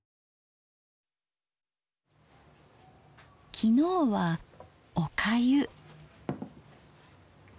昨日は「おかゆ」。